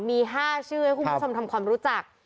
มี๕ชื่อให้คุณผู้ชมทำความรู้จัก